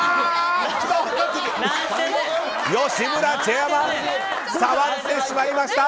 吉村チェアマン触ってしまいました。